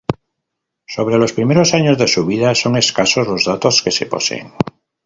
Sobre los primeros años de su vida son escasos los datos que se poseen.